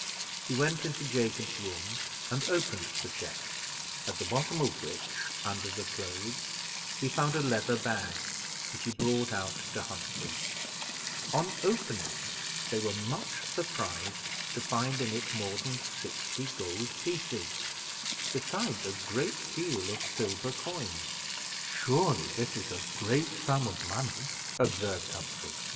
He went into Jacob's room and opened the chest, at the bottom of which, under the clothes, he found a leather bag, which he brought out to Humphrey; on opening it, they were much surprised to find in it more than sixty gold pieces, besides a great deal of silver coin. "Surely this is a great sum of money," observed Humphrey.